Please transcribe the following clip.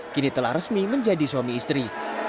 kini telah resmi menjadi suami istri